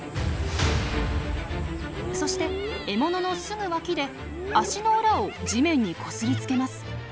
そして獲物のすぐ脇で足の裏を地面にこすりつけます。